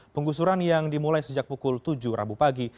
penggusuran yang dimulai sejak pukul tujuh rabu pagi